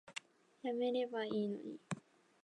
やめればいいのに